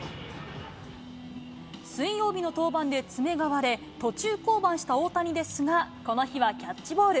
水曜日の登板で爪が割れ、途中降板した大谷ですが、この日はキャッチボール。